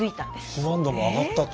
肥満度も上がったと。